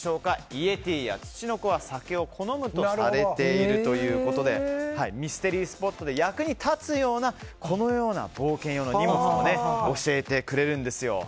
イエティやツチノコは酒を好むとされているということでミステリースポットで役に立つようなこのような冒険用の荷物を教えてくれるんですよ。